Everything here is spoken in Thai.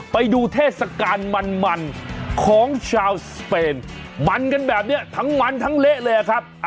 ไปดูเทศกาลมันของชาวสเปนมันกันแบบนี้ทั้งมันทั้งเละเลยครับ